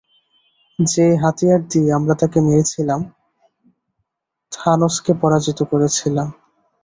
যে হাতিয়ার দিয়ে আমরা তাকে মেরেছিলাম, থানোসকে পরাজিত করেছিলাম।